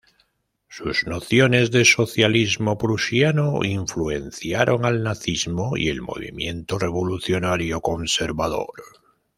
Sus nociones de socialismo prusiano influenciaron al nazismo y el movimiento revolucionario conservador.